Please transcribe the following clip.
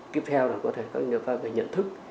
tiếp theo là có thể sử dụng các liệu pháp về nhận thức